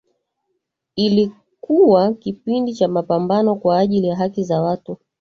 ilikuwa kipindi cha mapambano kwa ajili ya haki za watu